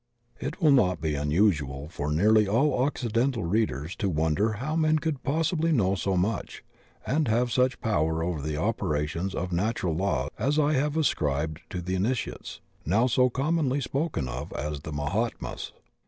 It will not be imusual for nearly all occidental read ers to wonder how men could possibly know so much and have such power over the operations of natural law as I have ascribed to the Initiates, now so com monly spoken of as the Mahatmas.